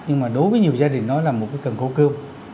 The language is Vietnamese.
nhưng mà đối với nhiều gia đình nó là một cái cần khổ cơm